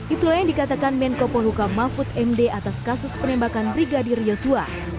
itulah yang dikatakan menko polhuka mahfud md atas kasus penembakan brigadir yosua